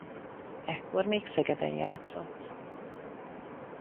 Ekkor Még Szegeden játszott.